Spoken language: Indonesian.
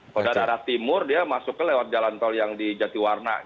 kalau dari arah timur dia masuk ke lewat jalan tol yang di jati warna